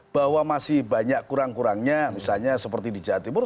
bahwa masih banyak kurang kurangnya misalnya seperti di jawa timur